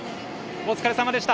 お疲れさまでした。